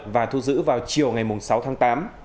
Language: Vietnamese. và thu giữ vào chiều ngày sáu tháng tám